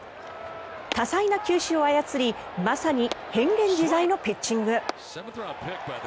多彩な球種を操りまさに変幻自在のピッチング。